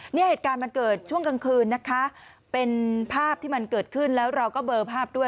เหตุการณ์มันเกิดช่วงกลางคืนนะคะเป็นภาพที่มันเกิดขึ้นแล้วเราก็เบอร์ภาพด้วย